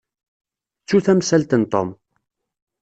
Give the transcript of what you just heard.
Ttu tamsalt n Tom.